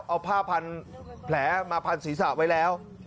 เอาผ้าพันแผลมาพันศีรษะไว้แล้ว